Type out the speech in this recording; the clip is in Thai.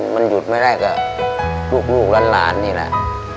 มันหยุดไม่ได้กับลูกหลานนี่แหละ